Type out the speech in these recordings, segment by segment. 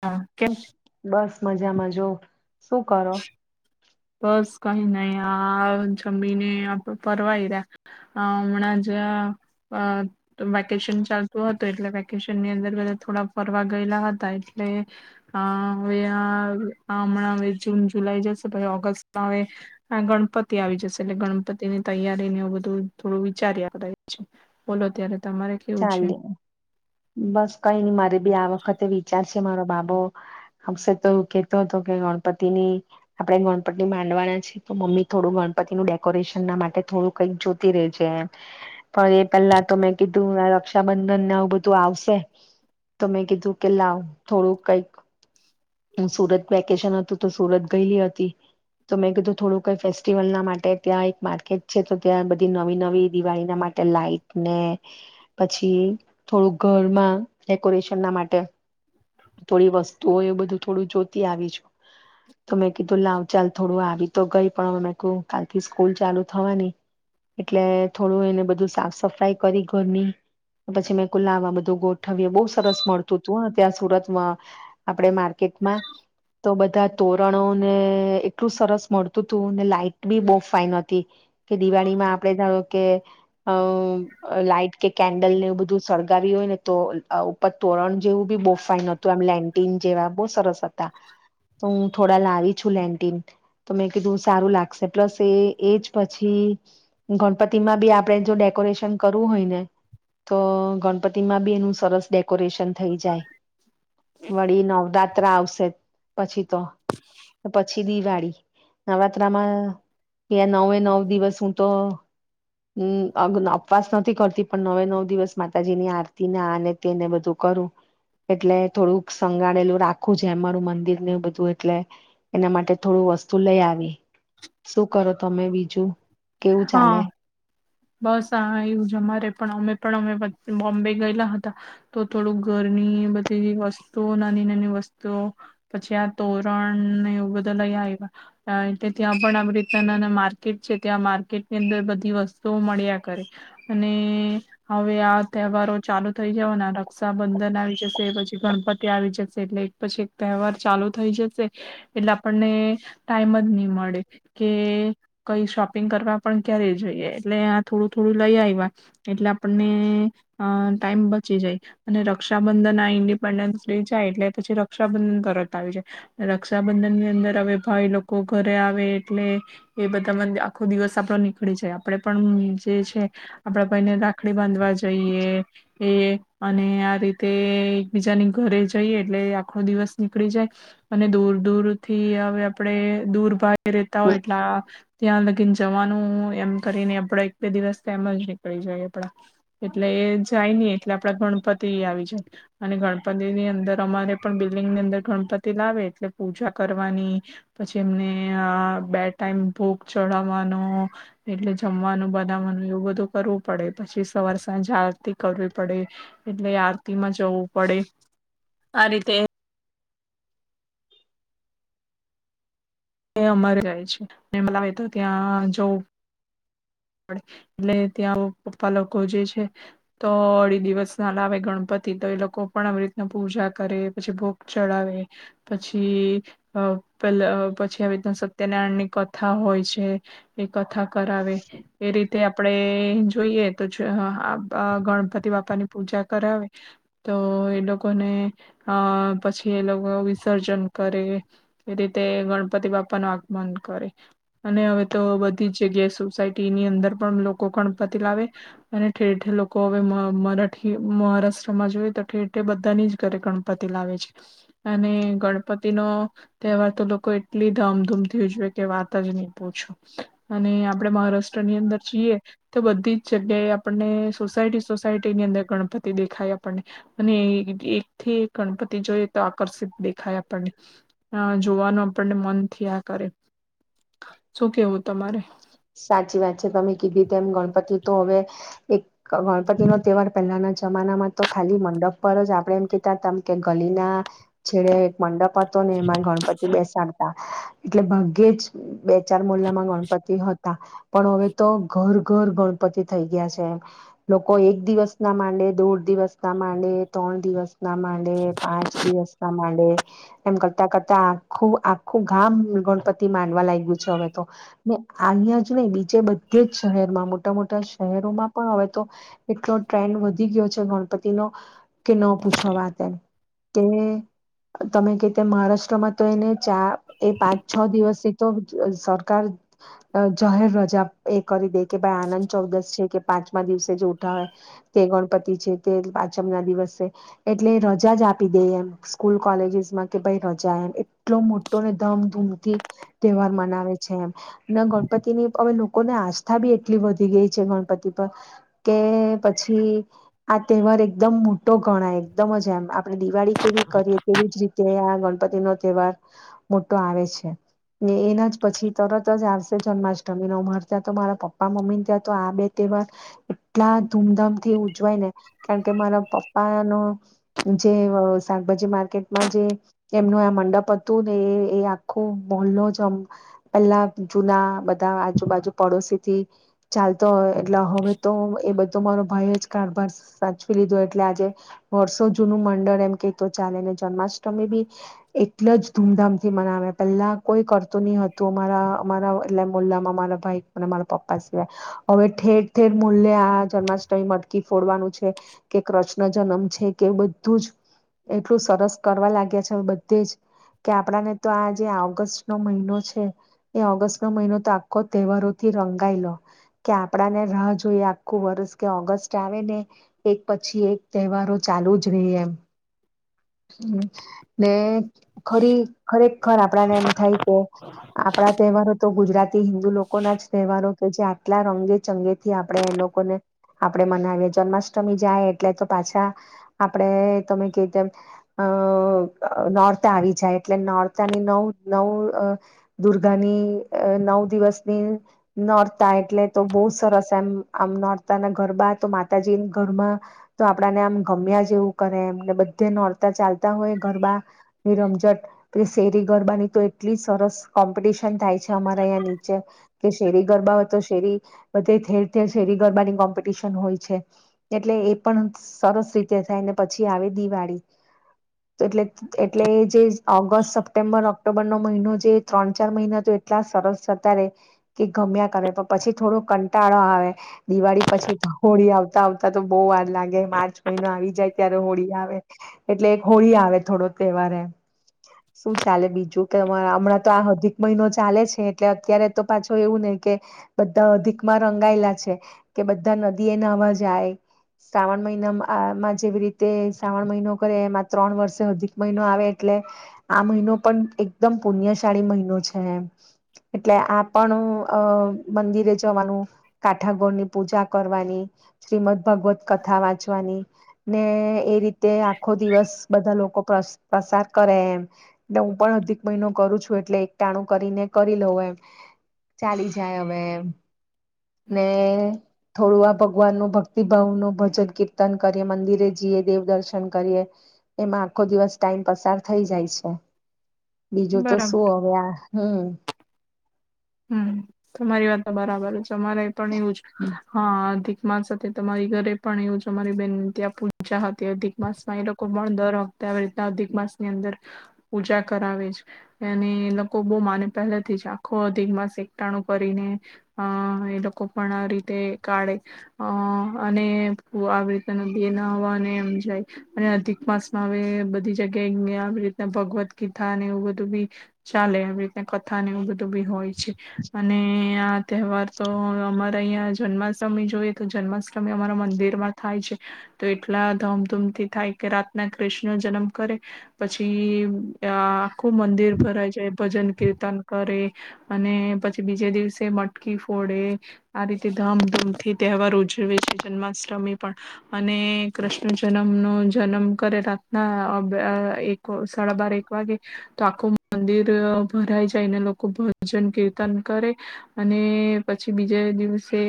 હા, કેમ? બસ મજામાં જોવ શું કરો? બસ કઈ નઈ, આ જમીને આ પરવાયરા આ અમણાં જ આ વેકેશન ચાલતું હતું એટલે વેકેશનની અંદર બધા થોડા ફરવા ગયેલા હતા એટલે અં હવે આ અમણાં અવે જૂન, જુલાઈ જશે પછી ઑગ ગસ્ટ માં અવે ગણપતિ આવી જશે એટલે ગણપતિની તૈયારીને એવું બધું થોડું વિચાર્યા કરાય છ, બોલો ત્યારે તમારે કેવું છે ચાલે, બસ કંઈ ની. મારે બી આ વખતે વિચાર છે. મારો બાબો આ વર્ષે તો કેતો તો, કે ગણપતિની આપણે ગણપતિ માંડવાના છે, તો મમ્મી થોડું ગણપતિનું ડેકોરેશન ના માટે થોડું કઈક જોતી રેજે એમ, પણ એ પેલ્લા તો મેં કી ધુ આ રક્ષાબંધનને આવું બધું આવશે તો મેં કીધું કે લાવ થોડુંક કઈક સુરત વેકેશન હતું, તો સુરત ગયલી હતી, તો મેં કીધું થોડું કઈ ફેસ્ટિવલ ના માટે ત્યાં એક માર્કેટ છે તો ત્યાં બધી નવી નવી દિવાળીના માટે લાઈટ ને પછી થોડુંક ઘરમાં ડેકોરેશનના માટે થોડી વસ્તુઓ એવુ બધું થોડું જોતી આવી છુ, તો મેં કીધું લાવ ચાલ થોડું આવી તો ગઈ પણ મે કુ કાલથી સ્કૂલ ચાલુ થવાની એટલે થોડું એને બધું સાફ સફાઈ કરી ઘરની, પછી મેં કુ લાવ બધું ગોઠવીએ, બહુ સરસ મળતું તું હં ત્યાં સુરતમાં, આપણે માર્કેટમાં તો બધા તોરણો ને એટલું સરસ મળતું તું ને લાાઈટ બી બો ફાાઈન હતી કે દિવાળીમાં આપણે ધારો કે અ લાાઈટ કે કેન્ડલ ને એવું બધું સળગાવી હોય ને તો ઉપર તોરણ જેવું બી બો ફાઈન હતું, આમ લેન્ટિન જેવા બો સરસ હતા, તો હું થોડા લાવી છું લેન્ટિન, તો મેં કીધું સારું લાગશે, પ્લસ એ એજ પછી ગણપતિમાં બી આપણે જો ડેકોરેશન કરવું હોય ને તો ગણપતિમાં બી એનું સરસ ડેક કોરેશન થઈ જાય વળી નવરાત આવશે પછી તો પછી દિવાળી નવરાત્રામાં ત નવે નવ દિવસ હું તો અગન ઉપવાસ નથી કરતી પણ નવે નવ દિવસ માતાજીની આરતીને આને તેને બધું કરું એટલે થોડુંક સંંગાળેલું રાખું જે અમારું મંદિરને બધું એટલે એના માટે થોડું વસ્તુ લઈ આવી શું કરો તમે બીજું. કેવું ચાલે હા બસ હા એવું. અમારે પણ અમે પણ અમે બોમ્બે ગયેલા હતા તો થોડુંક ઘરની બધી વસ્તુઓ નાની નાની વસ્તુઓ પછી આ તોરણ એું બધાં આવ્યા એટલે ત્યાં પણ આવી રીતના નાના માર્કેટ છે. ત્યાં માર્કેટની અંદર બધી વસ્તુઓ મળ્યા કરે અને હવે આ તહેવારો ચાલુ થઈ જવાના રક્ષાબંધન આવી જશે પછી ગણપતિ આવી જશે એટલે એક પછી એક તહેવાર ચાલુ થઈ જશે એટલે આપણને ટાઈમ જ નહી મળે કે કઈ શોપ ંગ કરવા પણ ક્યારેય જોઈએ એટલે આ થોડું થોડું લઈ આવ્યા એટલે આપણને ટાઈમ બચી જાય અને રક્ષાબંધન આ ઇન્ડિપેન્ડન્સ ડે જાય એટલે પછી રક્ષાબંધન તરત આવી જાય રક્ષાબંધન ની અંદર હવે ભાઈ લોકો ઘરે આવે એટલે એ બધામાં આખો દિવસ આપણો નીકળી જાય આપડે પણ જે છે આપડા ભાઈને રાખડી બાંધવા જઈએ એ અને આ રીતે એકબીજાની ઘરે જઈએ એટલે આખો દિવસ નીકળી જાય અને દૂર દૂર થી હવે આપણે દૂર ભ રતા હોય એટલા ત્યાં જવાનું એમ કરી ને આપડા એક બે દિવસ તેમ એ જ નીકળી જાય આપડા એટલે એ જાય નહ એટલે આપડા ગણપતિ આવી જાય અને ગણપતિ ની અંદર અમારે પણ બિલ્ડિંગની અંદર ગણપતિ લાવે એટલે પૂજા કરવાની પછી એમને બે ટાઈમ ભૂક ચડવાનું એટલે જમવાનું બનાવવાનું એવું બધું કરવું પડે પછી સવાર સાંજ આરતી કરવી પડે એટલે આરતીમાં જવું પડે આ રીતે એ અમર જાય છે મ તો ત્યાં જોવ એટલે ત્યાં પપ્પા લોકો જે છે તો અઢી દિવસ ના લ આવેે ગણપતિ તો એ લોકો પણ આવી રીતના પૂજા કરે પછી ભોગ ચડાવે પછી પેલા પછી આવી રીતના સત્યનારાયણ ની કથા હોય છે એ કથા કરાવે. એ રીતે આપણેે જોઈએ તો ગણપતિ બાપા ની પૂજા કરાવે તો એ લોકોને અ પછી એ લોકો વિસર્જન કરે એ રીતે ગણપતિ બાપા નું આગમન કરે અને હવે તો બધી જ જગ્યાએ સોસાયટી અ લોકો ગણપતિ લાવે અને ઠેર ઠેર લોકો હવે મરાઠી મહારાષ્ટ્રમાં જોઈએ તો ઠેર ઠેર બધાની જ ઘરે ગણપતિ લાવે છે અને ગણપતિ નો તહેવાર તો લોકો એટલી ધામધૂમ થી ઉજવે કે વાત જ નહી પૂછો અને આપડે મહારાષ્ટ્ર ની અંદર જીએ તો બધી જ જગ્યાએ આપણને સોસાયટી સોસાયટીની અંદર ગણપતિ દેખાય આપણને અને એક થી એક ગણપતિ જોઈએ તો આકર્ષિત દેખાય આપણને જોવાનું આપણને મનથી આ કરે શું કેવું તમારે. સાચી વાત છે તમે કીધી તમ ગણપતિ તો હવે એક ગણપતિ નો તહેવાર પહેલાના જમાનામાં તો ખાલી મંડપ પર જ આપણેે એમ કીધતા ત કે ગલી ના છેડે એક મંડપ પતો ને એમાં ગણપતિ બેસાડતા. એટલે ભાગ્યે જ બે ચાર મુલ્લામાં ગણપતિ પણ હવે તો ઘર ઘર ગણપતિ થઈ ગયા છે એમ લોકો એક દિવસ ના માંડે દોઢ દિવસ ના માંડે ત્રણ દિવસ ના માંડ પાંચ દિવસ ક એમ કરતા કરતા આખું આખું ગામ ગણપતિ માંડવા લાગ્યું છે હવે તો અહીં જ નહી બીજે બધે જ શહેરમાં મોટા મોટા શહેરોમાં પણ હવે તો એટલો ટ્રેન્ડ વધી ગયો છે ગણપતિનો કે ન પૂછવા વા તેમ કે તમે કતા મહારાષ્ટ્રમાં તો એને ચાર એ પાંચ છ દિવસથી તો સરકાર જાહેર રજા એ કરી દે કે ભાઈ આનંદ ચૌદસ છે કે પાંચમા દિવસે જે ઉઠા હોય તે ગણપતિ છે તે પાંચમ ના દિવસે એટલે રજા જ આપી દે એમ સ્કૂલ કોલેજસમાં કે ભ રજા એમ એટલો મોટો ને ધમધૂમથી તહેવાર મનાવે છે એમ ના ગણપતિની હવે લોકોને આસ્થા બી એટલી વધી ગઈ છે ગણપતિ પર કે પછી આ તહેવાર એકદમ મોટો ગણાય એકદમ જ એમ આપણે દિવાળી કેવી કરીએ તેવી જ રીતે આ ગણપતિ નો તહેવાર મોટો આવે છે ને એના જ પછી તરત જન્માષ્ટમી ન ઉર ત્યાં તો મારા પપ્પા મમ્મી ત્યાં તો આ બે તહેવાર એટલા ધૂમધામ થી ઉજવાય ને કારણકે મારા પપ્પાનો જે શાકભાજી માર્કેટમાં જે એમનું આ મંડપ હતું ને એ આખું બલ્લો જમ પેલા જૂના બધા આજુબાજુ પડોશીથી ચાલતો હોય એટલે હવે તો એ બધો મારો ભાઈ જ કારભાર સાચવી લીધો એટલે આજે વર્ષો જૂનું મંડળ એમ કે તો ચાલે ને જન્માષ્ટમી બી એટલ જ ધૂમધામ થી મનાવે પહેલા કોઈ કરતું નહ હતું અમારા રા એટલે મુલ્લામાં મારા ભાઈ અને મારા પપ્પા સિવાય હવે ઠેર ઠેર મુલ્્ય આ જન્માષ્ટમી મટકી ફોડવાનું છે કે કૃષ્ણ જન્મ છે કે બધું જ એટલું સરસ કરવા લાગ્યા છે હવે બધે જ કે આપણાને તો આ જે ઓગસ્ટ નો મહિનો છે. એ ઓગસ્ટ નો મહિનો તો આખો તહેવારો થી રંગાય લો કે આપણા ને રાહ જોઈએ આખું વર્ષ કે ઓગસ્ટ આવે ને એક પછી એક તહેવારો ચાલુ જ ર એમ ને ખરી ખરેખખર આપણાને એમ થાય કે આપણા તહેવારો તો ગુજરાતી હિન્દુ લોકો ના જ તહેવારો કે જે આટલા રંગે ચંગેથી આપણે એ લોકોને આપણે મનાવીએ જન્માષ્ટમી જાય એટલે તો પાછા આપણે તમે કધ અ નોર્તા આવી જાય એટલે નોરતાની નવ નવ દુર્ગાની નવ દિવસની નોરતા એટલે તો બહુ સરસ એમ આમ નોરતા ના ગરબા તો માતાજી ગરબા તો આપડાને આમ ગમ્યા જેવું કરે એમને બધે નોરતા ચાલતા હોય ગરબા ની રમઝટ પ શેરી ગરબાની તો એટલી સરસ કોમ્પિટિશન થાય છે અમારા અ્યાં નીચે કે શેરી ગરબા હોય તો શેરી બધે ઠેર ઠેર શેરી ગરબાની કોમ્પિટિશન હોય છે એટલે એ પણ સરસ રીતે થાય ને પછી આવે દિવાળી એટલે એટલે જે ઓગસ્ટ સપ્ટેમ્બર ઓક્ટોબર નો મહિનો જે ત્રણ ચાર મહિના તો એટલા સરસ થતા રે કે ગમ્યા કરે પણ પછી થોડો કંટાળો આવે. દિવાળી પછી તો હોળી આવતી આવતા તો બહુ વાર લાગે માર્ચ મહિનો આવી જાય ત્યારે હોળી આવે એટલે હોળી આવે થોડો તહેવાર શું ચાલે બીજું કે મારે હમણાં આ અધિક મહિનો ચાલે છે એટલે અત્યારે તો પાછો એવું નહ કે, બધા અધિક માં રંગાયેલા છે, કે બધા નદી એ નવા જાય શ્રાવણ મહિના આમાં જેવી રીતે શ્રાવણ મહિનો કરે એમાં ત્રણ વર્ષે અધિક મહિનો આવે એટલે, આ મહિનો પણ એકદમ પુણ્ય મહિનો છે એમ, એટલે આ પણ અ મંદિરે જવાનું કાઠાાગોર ની પૂજા કરવાની, શ્રીમદ ભગવત કથા વાંચવાની, ને એ રીતે આખો દિવસ બધા લોકો પ્રસાર કરે એમ, એટલે હું પણ અધિક મહિનો કરું છું. એટલે એક ટાણું કરીને કરી લઉ એમ, ચાલી જાય હવે. ને થોડું આ ભગવાન ન ભક્તિભાવ નું ભજન કીર્તન કરીએ મંદિરે જઈએ દેવદર્શન કરીએ, એમાં આખો દિવસ ટાઈમ પસાર થઈ જાય છે. બીજું તો બરાબર શું હવે આ હમ. હમ તમારી વાત તો બરાબર જ. તમારે પણ એવું હા માસ હતી તમારી ઘરે પણ એવું અરી બેહેન ત્યાં પૂજા હતી અધિક માસમાં એ લોકો પણ દર વખતે આવી રીતના અધિક માસની અંદર, પૂજા કરાવે છે, અને એ લોકો બહ માને પહેલાથી જ આખો અિક માસ એકટાણું કરીને, અ એ લોકો પણ આવી રીતે કાઢે, અ અને આવી રીતના નદી ના આવવાને એમ જાય, અને અધિક માસમાં હવે બધી જગ્યાએ આવી રીતના ભગવદ્ ગીતાને એવું બધું બી, ચાલે આવી રીતના કથા ને એવું બધું બી હોય. અને આ તહેવાર તો અમા અહંયા જન્માષ્ટમી જોઈએ તો જન્માષ્ટમી અમારા મંદિર માં થાય છે, તો એટલા ધમધૂમથી થાય કે રાતના કૃષ્ણ જન્મ કરે, પછી અ ખુબ મંદિર ભરાય જાય ભજન કીર્તન કરે. હ. અને પછી બીજે દિવસે મટકી ફોડે આ રીતે ધામધૂમથી તહેવાર ઉજવે છે જન્માષ્ટમી પણ અને કૃષ્ણ જન્મનોો જન્મ કરે રાતના એક સાડા બાર એક વાગે તો આખું મંદિર ભરાઈ જાયને લોકો. ભજન કીર્તન કરે, અને પછી બીજા દિવસે,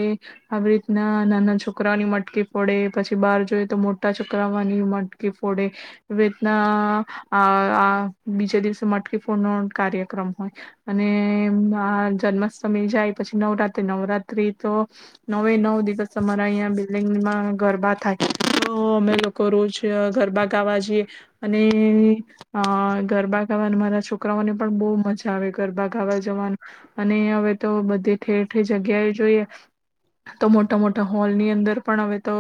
આવી રીતના નાના છોકરાઓની મટકી ફોડે, પછી બાર જોઈએ તો મોટા છોકરાઓની મટકી. કે ફોડે, વદના બીજા દિવસે મટકી ફોડ નો કાર્યક્રમ હોય અને જન્માષ્ટમી જાય પછી નવરાત્ર્રી નવરાત્ર્રી તો નવે નવ દિવસ અમારા અહીં બિલ્ડીંગમાં ગરબા થાય તો અમે લોકો રોજ ગરબા ગાવા જઈએ અને અ ગરબા ગાવા મારા છોકરાઓને પણ બહુ મજા આવે. ગરબા ગાવા જવાનું અને હવે તો બધી ઠેર ઠેર જગ્યાએ જોઈએ તો મોટા મોટા હોલ ની અંદર પણ હવે તો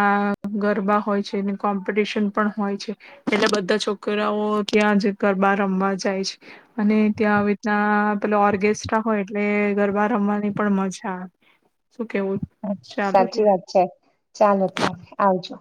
આ ગરબા હોય છે કોમ્પિટિશન પણ હોય છે એટલે બધા છોકરાઓ ત્યાં જ ગરબા રમવા જાય છે અને ના પે ઓર્કેસ્ટ્રા હોય એટલે ગરબા રમવાની પણ મજા આવે શું કેવું? ચાલો ત્યાં સાચી વાત છે ચાલો ત્યારે આવજો.